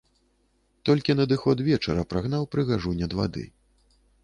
Толькі надыход вечара прагнаў прыгажунь ад вады.